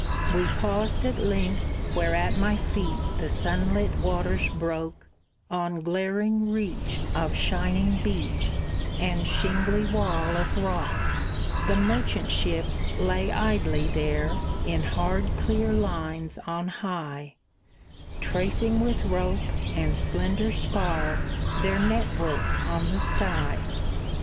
We paused at length, where at my feet the sunlit waters broke On glaring reach of shining beach, and shingly wall of rock; The merchant ships lay idly there, in hard clear lines on high, Tracing with rope and slender spar their network on the sky.